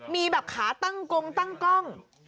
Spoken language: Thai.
มีแบบขาตั้งกงตั้งกล้อง